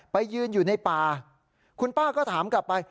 ยืนอยู่ในป่าคุณป้าก็ถามกลับไป